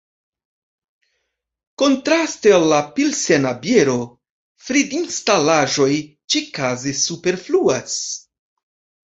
Kontraste al la pilsena biero, fridinstalaĵoj ĉi-kaze superfluas.